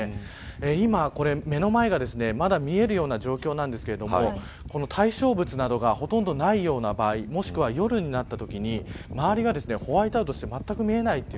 今これ、目の前がまだ見えるような状況なんですが対象物などがほとんどないような場合もしくは夜になったときに周りがホワイトアウトしてまったく見えないという。